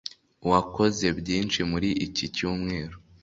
Wakoze byinshi muri iki cyumweru